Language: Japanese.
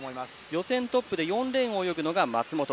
予選トップで４レーンを泳ぐのが松元。